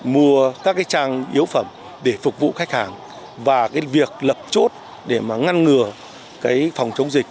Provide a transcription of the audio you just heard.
mua các trang yếu phẩm để phục vụ khách hàng và việc lập chốt để ngăn ngừa phòng chống dịch